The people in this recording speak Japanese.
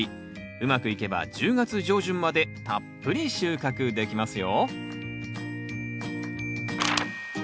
うまくいけば１０月上旬までたっぷり収穫できますよ